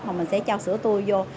và mình sẽ cho sữa tươi vô